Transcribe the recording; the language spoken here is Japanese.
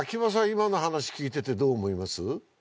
今の話聞いててどう思います？